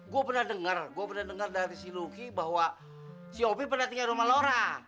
gue pernah dengar gue pernah dengar dari si luki bahwa siopi pernah tinggal di rumah laura